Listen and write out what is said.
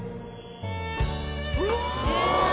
うわ。